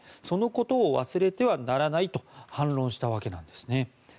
そのことを忘れてはならないと反論したわけなんですね。